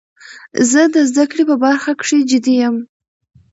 زه د زده کړي په برخه کښي جدي یم.